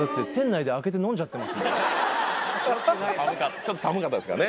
ちょっと寒かったですかね。